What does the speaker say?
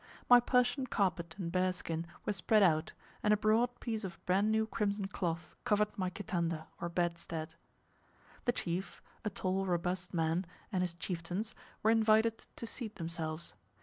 My Persian carpet and bear skin were spread out, and a broad piece of bran new crimson cloth covered my kitanda, or bedstead. The chief, a tall robust man, and his chieftains, were invited to seat themselves.